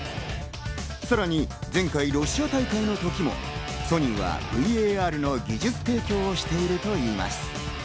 さらに前回ロシア大会の時もソニーはＶＡＲの技術提供をしているといいます。